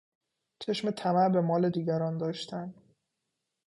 چشم طمع به مال دیگران داشتن